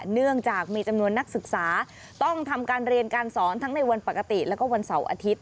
เนื่องจากมีจำนวนนักศึกษาต้องทำการเรียนการสอนทั้งในวันปกติแล้วก็วันเสาร์อาทิตย